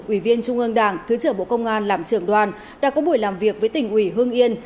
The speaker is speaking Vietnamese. ủy viên trung ương đảng thứ trưởng bộ công an làm trưởng đoàn đã có buổi làm việc với tỉnh ủy hương yên